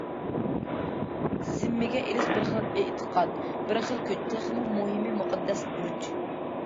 زىممىگە ئېلىش بىر خىل ئېتىقاد، بىر خىل كۈچ، تېخىمۇ مۇھىمى مۇقەددەس بۇرچ.